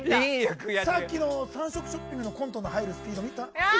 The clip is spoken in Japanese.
さっきの３色ショッピングのコントの入るスピード見た？